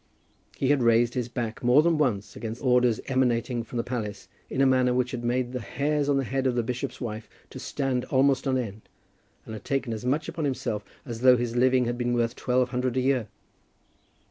He had raised his back more than once against orders emanating from the palace in a manner that had made the hairs on the head of the bishop's wife to stand almost on end, and had taken as much upon himself as though his living had been worth twelve hundred a year.